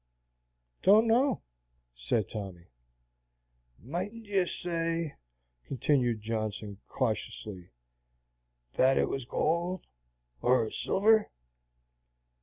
"Don't know," said Tommy. "Mightn't you say," continued Johnson, cautiously, "that it was gold, or silver?"